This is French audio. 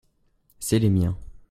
c'est les miens.